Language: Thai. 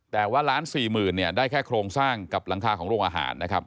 แต่ว่าล้านสี่หมื่นเนี่ยได้แค่โครงสร้างกับหลังคาของโรงอาหารนะครับ